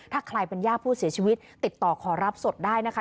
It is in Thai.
ถ้าใครเป็นญาติผู้เสียชีวิตติดต่อขอรับศพได้นะคะ